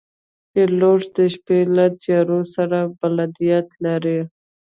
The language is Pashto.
پیلوټ د شپې له تیارو سره بلدتیا لري.